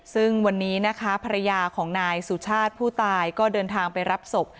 ซึ่งวันนี้นะคะภรรยาของนายสุชาติผู้ตายก็เดินทางไปรับศพ